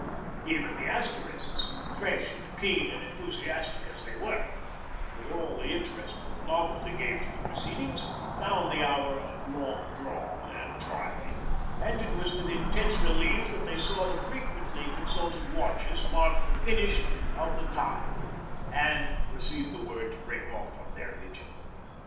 Even the Asterisks, fresh and keen and enthusiastic as they were, with all the interest that novelty gave to the proceedings, found the hour long drawn and trying; and it was with intense relief that they saw the frequently consulted watches mark the finish of the time, and received the word to break off from their vigil.